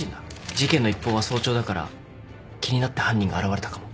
事件の一報は早朝だから気になって犯人が現れたかも。